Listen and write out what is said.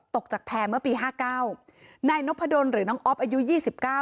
ตกจากแพร่เมื่อปีห้าเก้านายนพดลหรือน้องอ๊อฟอายุยี่สิบเก้า